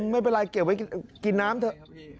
ไม่เป็นไรเก็บไว้กินน้ำเถอะ